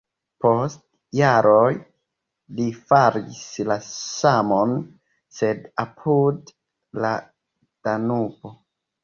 Post jaroj li faris la samon, sed apud la Danubo.